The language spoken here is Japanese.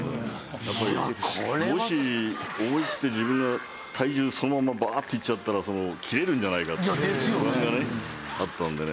やっぱりもし思い切って自分が体重そのままバーッていっちゃったら切れるんじゃないかっていう不安がねあったんでね